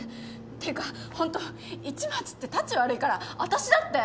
っていうかホント市松ってたち悪いからあたしだって。